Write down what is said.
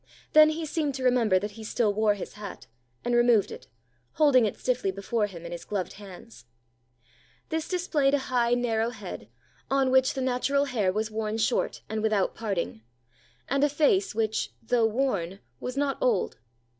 Then he seemed to remember that he still wore his hat, and removed it, holding it stiffly before him in his gloved hands. This displayed a high, narrow head, on which the natural hair was worn short and without parting, and a face which, though worn, was not old.